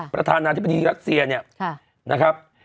ประธานาธิบดีรัสเซียเนี่ยนะครับ